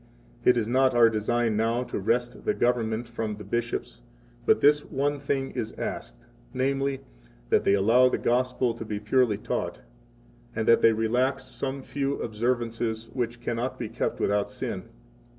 77 It is not our design now to wrest the government from the bishops, but this one thing is asked, namely, that they allow the Gospel to be purely taught, and that they relax some few observances which 78 cannot be kept without sin.